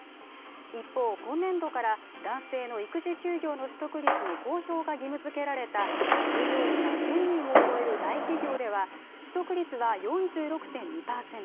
一方、今年度から男性の育児休業の取得率の公表が義務づけられた従業員が１０００人を超える大企業では取得率は４６．２％。